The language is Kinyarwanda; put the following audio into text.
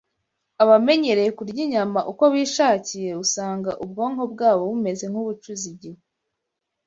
Abamenyereye kurya inyama uko bishakiye usanga ubwonko bwabo bumeze nk’ubucuze igihu